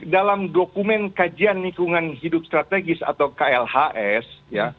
dalam dokumen kajian lingkungan hidup strategis atau klhs ya